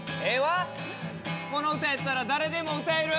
この歌やったら誰でも歌える。